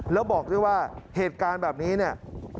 แล้วบอกด้วยว่าเหตุการณ์แบบนี้เนี่ย